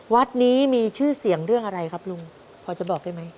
วัดนี้มีชื่อเสียงเรื่องอะไรครับลุงพอจะบอกได้ไหม